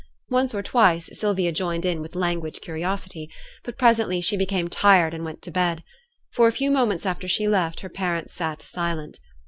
Once or twice Sylvia joined in with languid curiosity; but presently she became tired and went to bed. For a few moments after she left, her parents sate silent.